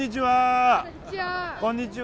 こんにちは。